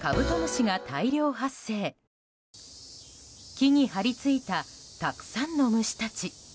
木に張り付いたたくさんの虫たち。